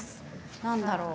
何だろう？